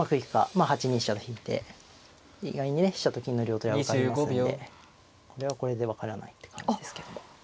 まあ８二飛車と引いて意外にね飛車と金の両取りは受かりますのでこれはこれで分からないって感じですけども。